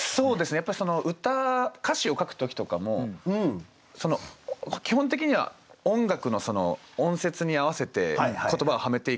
やっぱり歌詞を書く時とかも基本的には音楽の音節に合わせて言葉をはめていくんですけど。